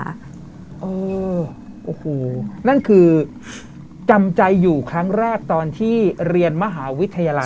เออโอ้โหนั่นคือจำใจอยู่ครั้งแรกตอนที่เรียนมหาวิทยาลัย